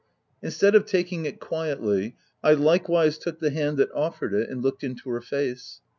Instead of taking it quietly, I likewise took the hand that offered it, and looked into her face.